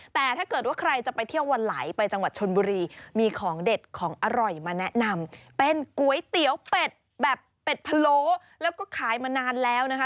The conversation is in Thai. แต่ถ้าเกิดว่าใครจะไปเที่ยววันไหลไปจังหวัดชนบุรีมีของเด็ดของอร่อยมาแนะนำเป็นก๋วยเตี๋ยวเป็ดแบบเป็ดพะโล้แล้วก็ขายมานานแล้วนะคะ